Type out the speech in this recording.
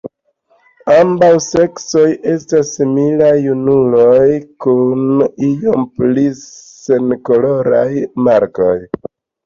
Ambaŭ seksoj estas similaj; junuloj kun iom pli senkoloraj markoj.